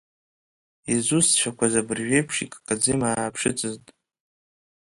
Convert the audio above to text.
Изусҭцәақәаз абыржәы еиԥш иккаӡа имааԥшыцызт…